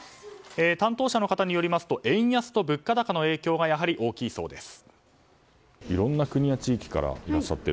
担当者の方によりますと円安と物価高の影響がやはり大きいそうです。